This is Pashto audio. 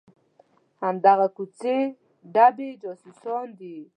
همدغه کوڅې ډبي جاسوسان دي.